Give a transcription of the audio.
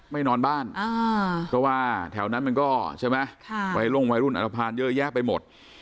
ไม่นอนบ้านเพราะว่าแถวนั้นมันก็ใช่ไหมไว้ร่วงไว้รุ่นอันตรภัณฑ์เยอะแยะไปหมด